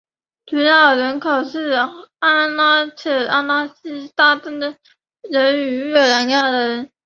主要人口是阿斯特拉罕鞑靼人与诺盖人。